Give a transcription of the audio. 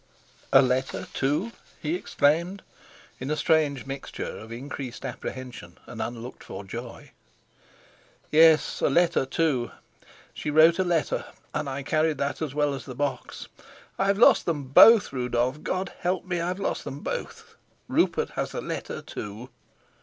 "A letter, too?" he exclaimed, in a strange mixture of increased apprehension and unlooked for joy. "Yes, a letter, too; she wrote a letter, and I carried that as well as the box. I've lost them both, Rudolf. God help me, I've lost them both! Rupert has the letter too!"